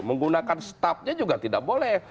menggunakan staffnya juga tidak boleh